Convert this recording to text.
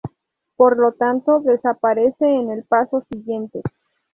Por lo tanto desaparece en el paso siguiente.